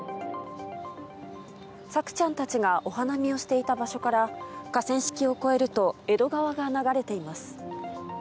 朔ちゃんたちがお花見をしていた場所から河川敷を越えると江戸川が流れています。